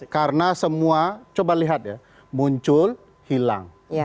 karena semua coba lihat ya muncul hilang